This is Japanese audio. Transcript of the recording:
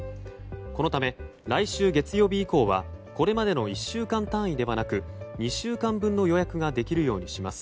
このため、来週月曜日以降はこれまでの１週間単位ではなく２週間分の予約ができるようにします。